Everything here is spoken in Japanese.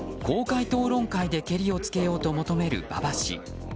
公開討論会でけりをつけようと求める馬場氏。